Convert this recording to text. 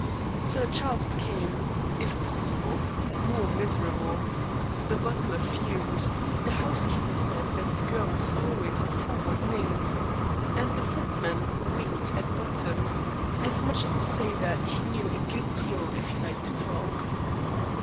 Sir Charles became, if possible, more miserable; the butler fumed; the housekeeper said that the girl was always a forward minx, and the footman winked at Buttons, as much as to say that he knew a good deal if he liked to talk.